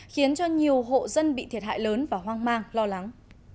khiến cho nhiều hộ dân bị thiệt hại lớn và hoang mang lo lắng